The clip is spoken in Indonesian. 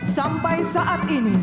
sampai saat ini